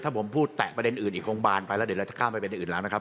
ถ้าผมพูดแตะประเด็นอื่นอีกคงบานไปแล้วเดี๋ยวเราจะข้ามไปเป็นอย่างอื่นแล้วนะครับ